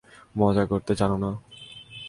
মজা করতে জানো না?